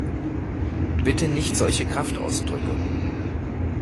Bitte nicht solche Kraftausdrücke!